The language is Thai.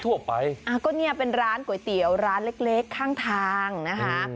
ทั่วไปอ่าก็เนี่ยเป็นร้านก๋วยเตี๋ยวร้านเล็กเล็กข้างทางนะคะ